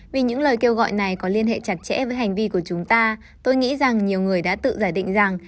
vì những lời kêu gọi này có liên hệ chặt chẽ với hành vi của chúng ta tôi nghĩ rằng nhiều người đã tự giải định rằng